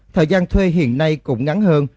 thời gian thuê hiện nay cũng ngắn hơn